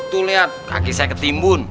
tuh lihat kaki saya ketimbun